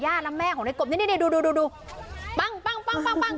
ญาติแล้วแม่ของนัยกบนี่นี่ดูดูดูดูปั้งปั้งปั้งปั้ง